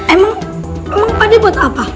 emang pade buat apa